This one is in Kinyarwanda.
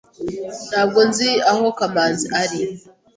Ntabwo nzi aho kamanzi ari.